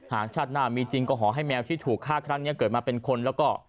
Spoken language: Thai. หากชาติหน้ามีจริงก็ขอให้แมวที่ถูกฆ่าครั้งนี้เกิดมาเป็นคนแล้วก็